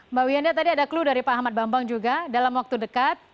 mbak wiyanda tadi ada clue dari pak ahmad bambang juga dalam waktu dekat